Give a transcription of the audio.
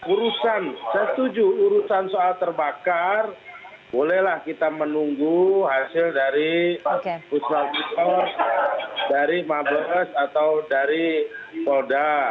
urusan saya setuju urusan soal terbakar bolehlah kita menunggu hasil dari kusual kusual dari mabekes atau dari kolda